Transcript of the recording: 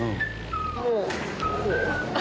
もうこう。